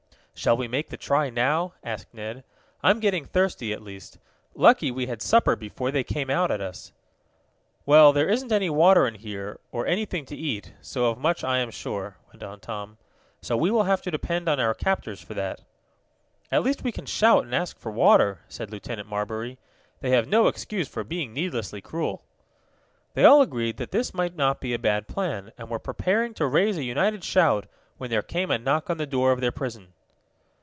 "Shall we make the try now?" asked Ned. "I'm getting thirsty, at least. Lucky we had supper before they came out at us." "Well, there isn't any water in here, or anything to eat, of so much I am sure," went on Tom "So we will have to depend on our captors for that." "At least we can shout and ask for water," said Lieutenant Marbury. "They have no excuse for being needlessly cruel." They all agreed that this might not be a bad plan, and were preparing to raise a united shout, when there came a knock on the door of their prison.